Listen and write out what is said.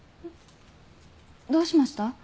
どうしました？